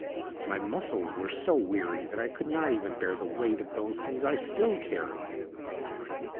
My muscles were so weary that I could not even bear the weight of those things I still carried.